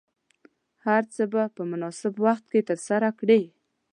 هر څه به په مناسب وخت کې ترلاسه کړې.